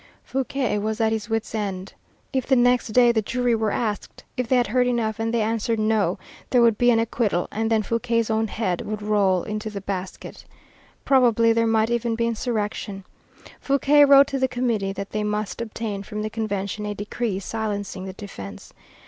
Fouquier was at his wits' end. If the next day the jury were asked if they had heard enough, and they answered, "No," there would be an acquittal, and then Fouquier's own head would roll into the basket. Probably there might even be insurrection. Fouquier wrote to the Committee that they must obtain from the Convention a decree silencing the defence.